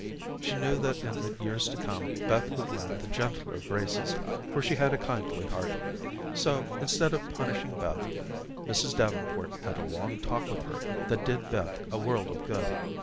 She knew that in the years to come, Beth would learn the gentler graces, for she had a kindly heart; so, instead of punishing Beth, Mrs. Davenport had a long talk with her that did Beth a world of good.